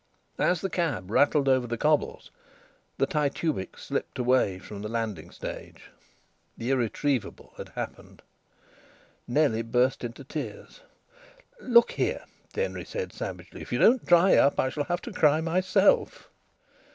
As the cab rattled over the cobbles the Titubic slipped away from the landing stage. The irretrievable had happened. Nellie burst into tears. "Look here," Denry said savagely. "If you don't dry up, I shall have to cry myself."